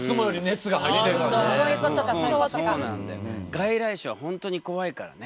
外来種は本当に怖いからね。